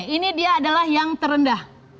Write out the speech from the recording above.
ini dia adalah yang terendah